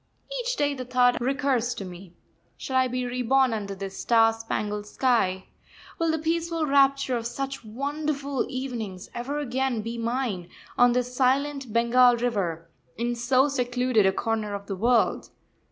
Each day the thought recurs to me: Shall I be reborn under this star spangled sky? Will the peaceful rapture of such wonderful evenings ever again be mine, on this silent Bengal river, in so secluded a corner of the world?